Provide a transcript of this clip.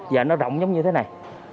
giờ nó rộng giống như thế này